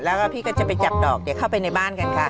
แล้วก็พี่ก็จะไปจับดอกเดี๋ยวเข้าไปในบ้านกันค่ะ